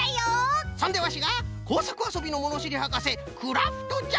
そんでワシがこうさくあそびのものしりはかせクラフトじゃ。